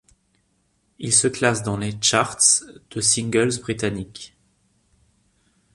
Il se classe dans les charts de singles britanniques.